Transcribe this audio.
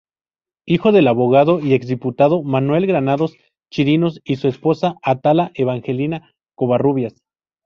Hijo del abogado y exdiputado Manuel Granados Chirinos y su esposa Atala Evangelina Covarrubias.